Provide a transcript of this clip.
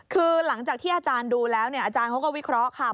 คือหลังจากที่อาจารย์ดูแล้วเนี่ยอาจารย์เขาก็วิเคราะห์ค่ะ